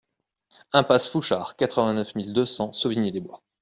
Impasse Fouchard, quatre-vingt-neuf mille deux cents Sauvigny-le-Bois